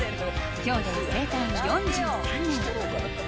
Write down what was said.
今日で生誕４３年！